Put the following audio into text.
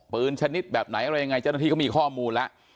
ชนิดแบบไหนอะไรยังไงเจ้าหน้าที่ก็มีข้อมูลแล้ว